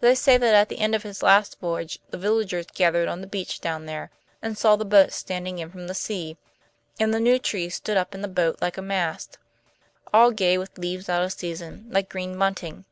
They say that at the end of his last voyage the villagers gathered on the beach down there and saw the boat standing in from the sea, and the new trees stood up in the boat like a mast, all gay with leaves out of season, like green bunting.